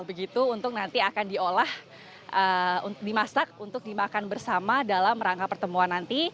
begitu untuk nanti akan diolah dimasak untuk dimakan bersama dalam rangka pertemuan nanti